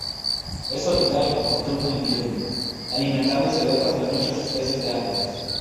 Es solitario, nocturno y diurno, alimentándose de hojas de muchas especies de árboles.